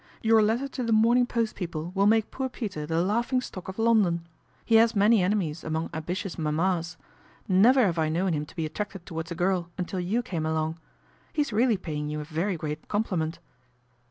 Your letter to The Morning Post people will make poor Peter the laughing stock of London. He has many enemies among ambitious mamas. Never have I known him to be attracted towards a girl until you came along. He's really paying you a. very great compliment."